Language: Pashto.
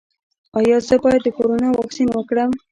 ایا زه باید د کرونا واکسین وکړم؟